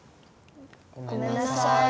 ごめんなさい。